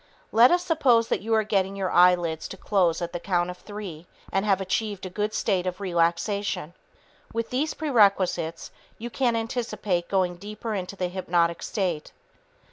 Let us suppose that you are getting your eyelids to close at the count of three and have achieved a good state of relaxation. With these prerequisites, you can anticipate going deeper into the hypnotic state.